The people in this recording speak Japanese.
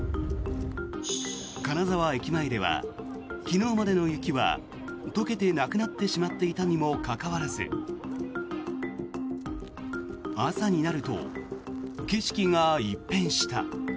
金沢駅までは昨日までの雪は解けてなくなってしまっていたにもかかわらず朝になると景色が一変した。